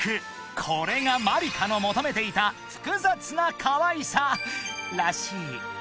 ［これがまりかの求めていた複雑なかわいさらしい］